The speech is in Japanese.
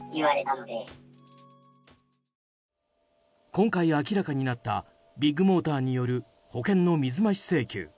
今回明らかになったビッグモーターによる保険の水増し請求。